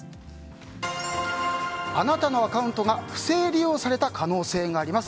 あなたのアカウントが不正利用された可能性があります。